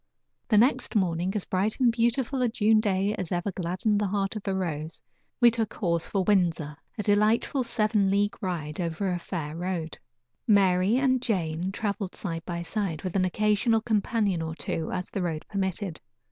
The next morning as bright and beautiful a June day as ever gladdened the heart of a rose we took horse for Windsor; a delightful seven league ride over a fair road. Mary and Jane traveled side by side, with an occasional companion or two, as the road permitted.